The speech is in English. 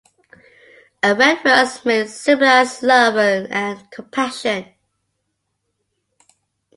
A red rose may symbolize love and compassion.